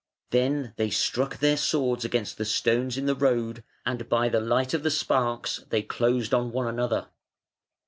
Then they struck their swords against the stones in the road, and by the light of the sparks they closed on one another.